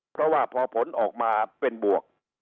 เพราะว่าพอผลออกมาเป็นบวก